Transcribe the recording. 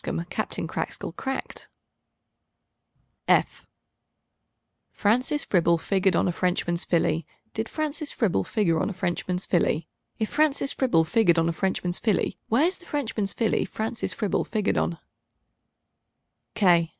F f [Illustration: Francis Fribble] Francis Fribble figured on a Frenchman's Filly: Did Francis Fribble figure on a Frenchman's Filly? If Francis Fribble figured on a Frenchman's Filly, Where's the Frenchman's Filly Francis Fribble figured on?